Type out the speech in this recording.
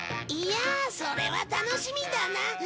いやあそれは楽しみだな。